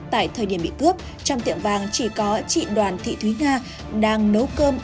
tại thời điểm bị cướp trong tiệm vàng chỉ có chị đoàn thị thúy nga đang nấu cơm